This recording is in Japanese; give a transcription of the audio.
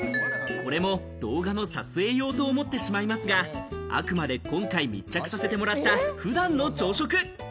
これも動画の撮影用と思ってしまいますが、あくまで今回密着させてもらった普段の朝食。